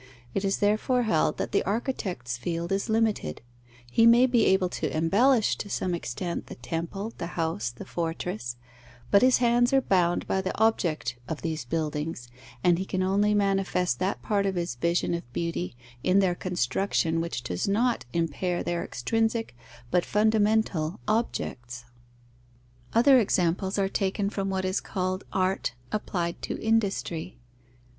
It is therefore held that the architect's field is limited: he may be able to embellish to some extent the temple, the house, the fortress; but his hands are bound by the object of these buildings, and he can only manifest that part of his vision of beauty in their construction which does not impair their extrinsic, but fundamental, objects. Other examples are taken from what is called art applied to industry.